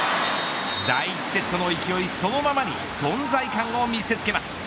第１セットの勢いそのままに存在感を見せつけます。